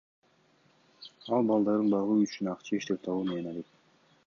Ал балдарын багуу үчүн акча иштеп табуу менен алек.